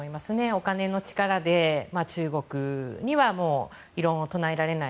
お金の力で中国には異論を唱えられない。